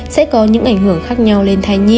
sẽ có những ảnh hưởng khác nhau lên thai nhi